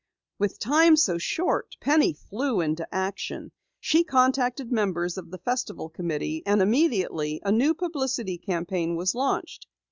With time so short, Penny flew into action. She contacted members of the Festival Committee and immediately a new publicity campaign was launched.